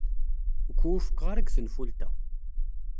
Ur k-wufqeɣ ara deg taluft-a.